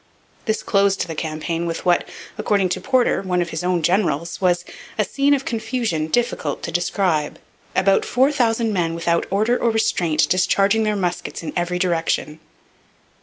This closed the campaign with what, according to Porter, one of his own generals, was 'a scene of confusion difficult to describe: about four thousand men without order or restraint discharging their muskets in every direction.'